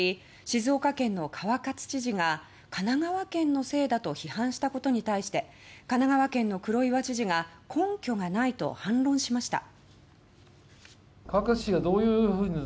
静岡県の川勝知事が神奈川県のせいだと批判したことに対して神奈川県の黒岩知事が根拠がないと反論しました。